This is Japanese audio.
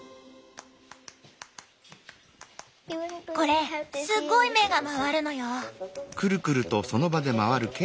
これすっごい目が回るのよ。